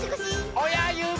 おやゆび！